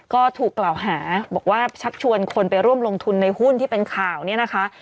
ก็ถูกกล่าวหาบอกว่าชักชวนคนไปร่วมลงทุนในหุ้นที่เป็นข่าวเนี่ยนะคะ